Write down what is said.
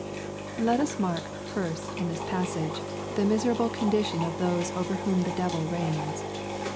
Let us mark, first, in this passage, the miserable condition of those over whom the devil reigns.